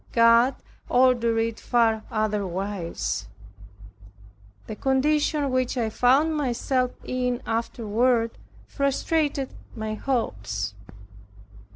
God ordered it far otherwise. The condition which I found myself in afterward, frustrated my hopes.